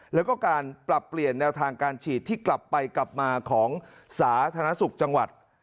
แล้วก็การปรับเปลี่ยนแนวทางการฉีดที่กลับไปกลับมาของสาธารณสุขจังหวัด